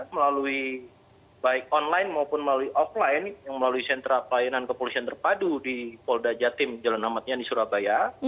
melalui baik online maupun melalui offline yang melalui sentra pelayanan kepolisian terpadu di polda jatim jalan amatnya di surabaya